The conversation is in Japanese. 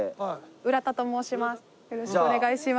浦田と申します。